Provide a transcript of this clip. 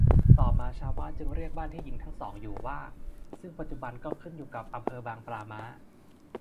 ต่อมาชาวบ้านจึงเรียกบ้านที่หญิงทั้งสองอยู่ว่า ซึ่งปัจจุบันก็ขึ้นอยู่กับอำเภอบางปลาม้า